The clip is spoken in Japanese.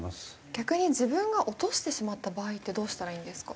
逆に自分が落としてしまった場合ってどうしたらいいんですか？